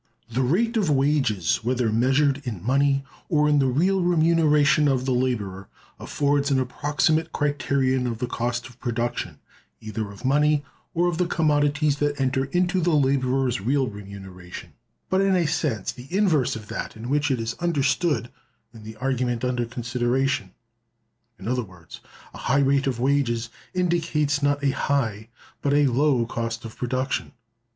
"The rate of wages, whether measured in money or in the real remuneration of the laborer, affords an approximate criterion of the cost of production,(365) either of money, or of the commodities that enter into the laborer's real remuneration, but in a sense the inverse of that in which it is understood in the argument under consideration: in other words, a high rate of wages indicates not a high but a low cost of production.